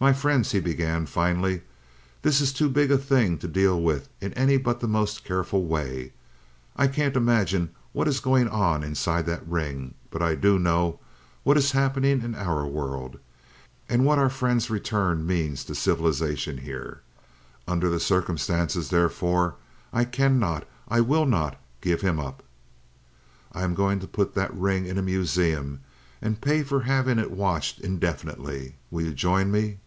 "My friends," he began finally, "this is too big a thing to deal with in any but the most careful way. I can't imagine what is going on inside that ring, but I do know what is happening in our world, and what our friend's return means to civilization here. Under the circumstances, therefore, I cannot, I will not give him up. "I am going to put that ring in a museum and pay for having it watched indefinitely. Will you join me?"